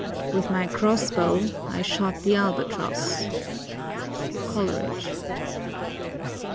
"With my cross bow I shot the Albatross!" COLERIDGE.